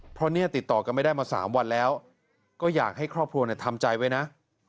เพราะเนี่ยติดต่อกันไม่ได้มา๓วันแล้วก็อยากให้ครอบครัวทำใจไว้นะ